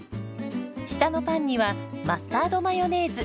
下のパンにはマスタードマヨネーズ。